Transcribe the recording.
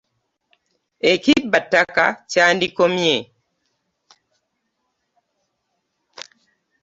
Ekibba ttaka kyandikomye.